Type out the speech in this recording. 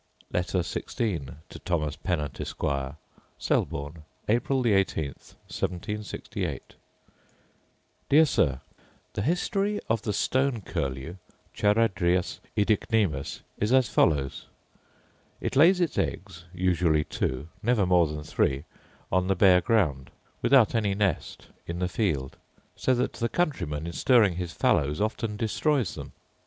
Letter XVI To Thomas Pennant, Esquire Selborne, April 18, 1768. Dear Sir, The history of the stone curlew, charadrius oedicnemus is as follows. It lays its eggs, usually two, never more than three, on the bare ground, without any nest, in the field; so that the countryman, in stirring his fallows, often destroys them.